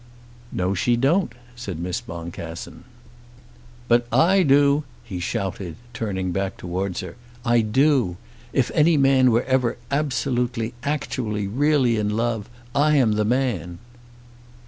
"No, she don't," said Miss Boncassen. "But I do," he shouted, turning back towards her. "I do. If any man were ever absolutely, actually, really in love, I am the man."